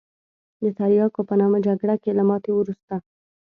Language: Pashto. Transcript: د تریاکو په نامه جګړه کې له ماتې وروسته.